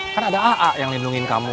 kan ada aa yang lindungi kamu